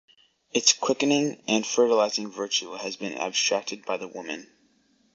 Its quickening and fertilizing virtue has been abstracted by the woman.